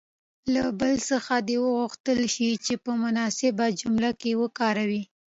له بل څخه دې وغوښتل شي چې په مناسبه جمله کې وکاروي.